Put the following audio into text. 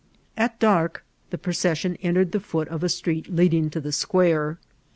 At dark the procession entered the foot of a street leading to the square.